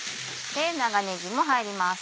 長ねぎも入ります。